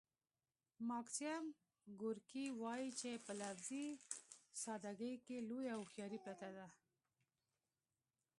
ماکسیم ګورکي وايي چې په لفظي ساده ګۍ کې لویه هوښیاري پرته ده